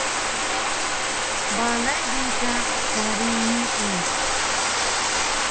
Balay bi ka kari nii